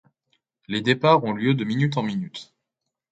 Les départs ont lieu de minute en minute.